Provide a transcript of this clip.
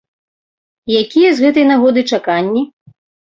Якія з гэтай нагоды чаканні?